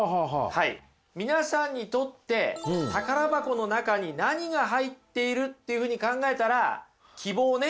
皆さんにとって宝箱の中に何が入っているっていうふうに考えたら希望をね